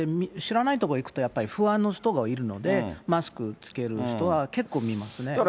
知らない所に行くと、やっぱり不安の人がいるので、マスク着ける人は結構見ますね。